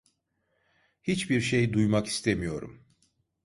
Hiçbir şey duymak istemiyorum.